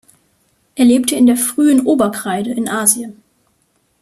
Er lebte in der frühen Oberkreide in Asien.